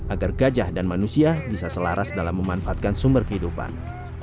agar gajah dan manusia bisa selaras dalam memanfaatkan sumber kehidupan